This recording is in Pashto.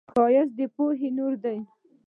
ښایست د پوهې نور دی